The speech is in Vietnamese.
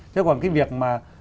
chứ còn cái việc mà